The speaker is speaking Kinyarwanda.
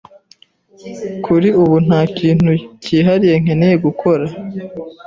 Kuri ubu nta kintu cyihariye nkeneye gukora.